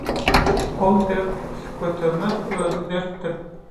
Ol dert götermez, özi dertdir.